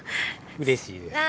うれしいです。